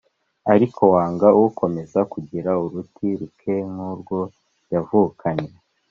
ariko waga akomeza kugira uruti ruke nk'urwo yavukanye,